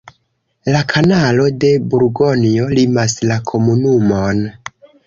La kanalo de Burgonjo limas la komunumon.